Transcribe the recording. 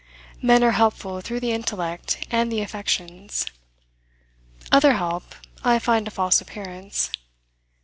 Men are helpful through the intellect and the affections. Other help, I find a false appearance.